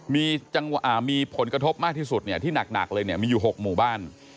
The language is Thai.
มีผลกระทบมากที่สุดเนี่ยที่หนักเลยเนี่ยมีอยู่๖หมู่บ้าน